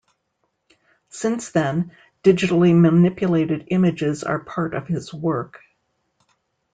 Since then, digitally manipulated images are part of his work.